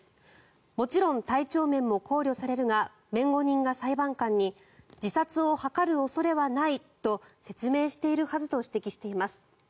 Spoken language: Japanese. もちろん体調面も考慮されるが弁護人が裁判官に自殺を図る恐れはないと説明しているはずと指摘しています。